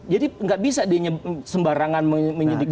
jadi nggak bisa sembarangan menyidik